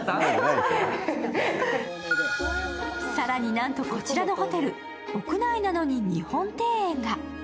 更になんとこちらのホテル、屋内なのに日本庭園が。